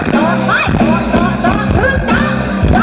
ขอเตรียมให้ขับลำใดนะคะ